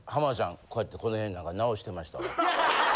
こうやってこのへん何か直してましたわ。